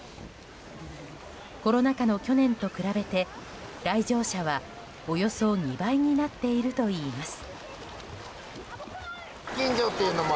コロナ禍の去年と比べて来場者は、およそ２倍になっているといいます。